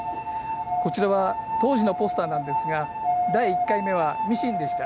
こちらは当時のポスターなんですが第１回目はミシンでした。